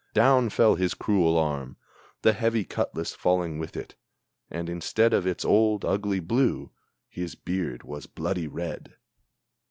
Down fell his cruel arm, the heavy cutlass falling with it, And, instead of its old, ugly blue, his beard was bloody red!